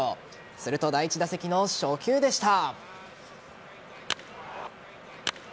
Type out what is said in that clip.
すると第１打席の初球でした。